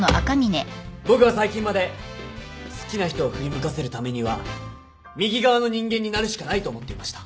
僕は最近まで好きな人を振り向かせるためには右側の人間になるしかないと思っていました。